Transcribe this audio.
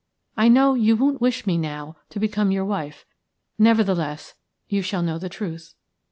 I know you won't wish me now to become your wife; nevertheless, you shall know the truth."